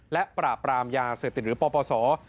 และปราบปรามยาเสพติดหรือปปศ